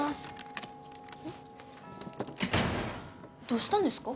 どうしたんですか？